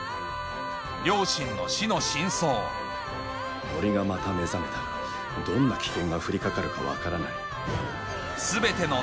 両親の死の真相森がまた目覚めたらどんな危険が降り掛かるか分からない。